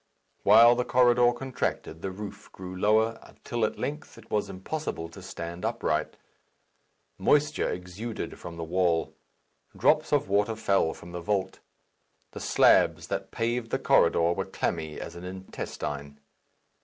While the corridor contracted, the roof grew lower, until at length it was impossible to stand upright. Moisture exuded from the wall. Drops of water fell from the vault. The slabs that paved the corridor were clammy as an intestine.